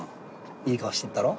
いい顔してるだろ？